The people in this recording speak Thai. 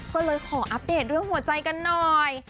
ก็เลยขออัปเดตเรื่องหัวใจกันหน่อย